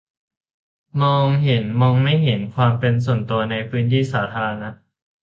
มองเห็น-มองไม่เห็น : ความเป็นส่วนตัวในพื้นที่สาธารณะ